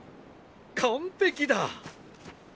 完璧だ！